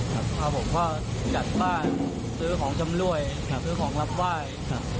ครับผมก็จัดบ้านซื้อของจำรวยซื้อของรับไหว้